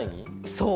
そう！